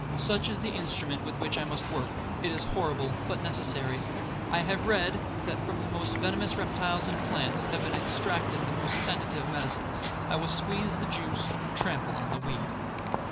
Such is the instrument with which I must work.—It is horrible, but necessary. I have read, that from the most venomous reptiles and plants, have been extracted the most sanative medicines. I will squeeze the juice, and trample on the weed.